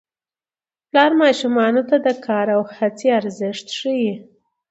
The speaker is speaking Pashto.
پلار ماشومانو ته د کار او هڅې ارزښت ښيي